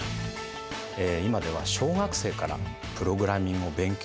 今では小学生からプログラミングを勉強する。